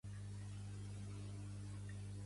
Casa en cantonada de planta baixa i dos pisos.